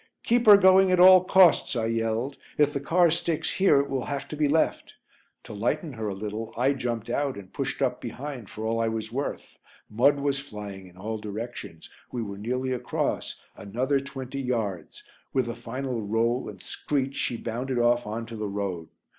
"Keep her going at all costs," I yelled, "if the car sticks here it will have to be left." To lighten her a little I jumped out and pushed up behind for all I was worth. Mud was flying in all directions; we were nearly across; another twenty yards. With a final roll and screech she bounded off on to the road.